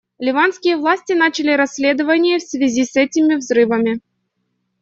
Ливанские власти начали расследование в связи с этими взрывами.